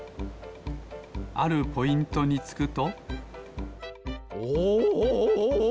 あるポイントにつくとお！